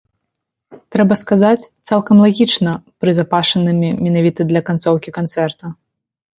Трэба сказаць, цалкам лагічна прызапашанымі менавіта для канцоўкі канцэрта.